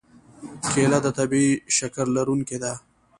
کېله د طبیعي شکر لرونکې ده.